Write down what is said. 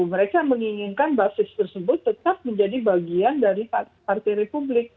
mereka menginginkan basis tersebut tetap menjadi bagian dari partai republik